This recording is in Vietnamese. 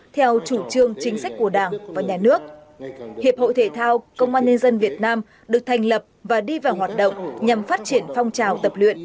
theo chủ trương chính sách của đảng và nhà nước hiệp hội thể thao công an nhân dân việt nam được thành lập và đi vào hoạt động nhằm phát triển phong trào tập luyện